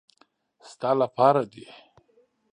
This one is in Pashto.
ستا له پاره دي .